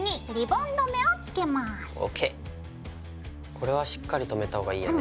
これはしっかり留めたほうがいいよね。